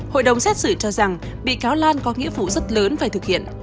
hội đồng xét xử cho rằng bị cáo lan có nghĩa vụ rất lớn phải thực hiện